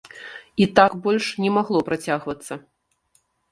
І так больш не магло працягвацца.